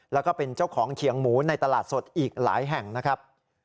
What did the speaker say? แล้วก็เป็นเจ้าของเขียงหมูในตลาดสดอีกหลายแห่งนะครับ